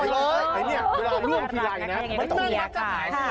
เวลาร่วมทีละอย่างนั้นมันต้องเหลียกค่ะ